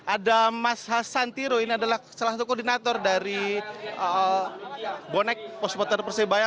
ada mas hasan tiro ini adalah salah satu koordinator dari bonek po supporter persebaya